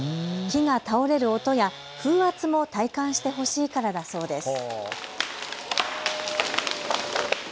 木が倒れる音や風圧も体感してほしいからだそうです。